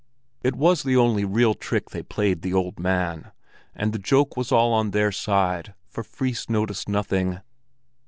It was the only real trick they played the old man, and the joke was all on their side, for Fris noticed nothing.